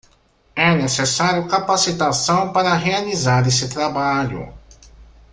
É necessário capacitação para realizar esse trabalho.